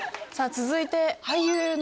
続いて。